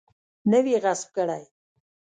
نه وي غصب کړی.